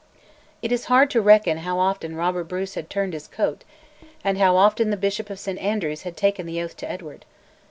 It is hard to reckon how often Robert Bruce had turned his coat, and how often the Bishop of St Andrews had taken the oath to Edward.